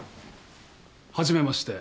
初めまして。